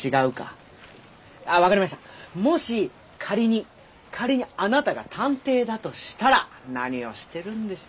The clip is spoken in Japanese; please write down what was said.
もし仮に仮にあなたが探偵だとしたら何をしてるんでしょう。